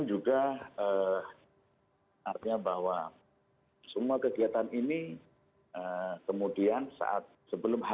ini juga artinya bahwa semua kegiatan ini kemudian sebelum h satu